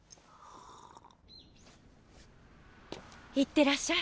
いってらっしゃい。